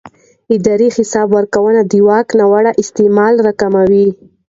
اداري حساب ورکونه د واک ناوړه استعمال راکموي